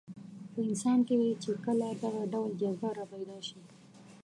په انسان کې چې کله دغه ډول جذبه راپیدا شي.